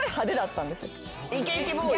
イケイケボーイ？